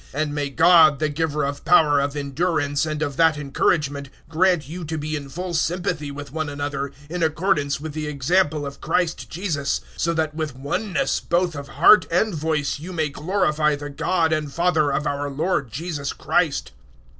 015:005 And may God, the giver of power of endurance and of that encouragement, grant you to be in full sympathy with one another in accordance with the example of Christ Jesus, 015:006 so that with oneness both of heart and voice you may glorify the God and Father of our Lord Jesus Christ.